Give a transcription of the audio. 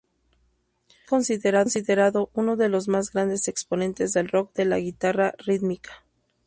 Es considerado uno de los más grandes exponentes del rock de la guitarra rítmica.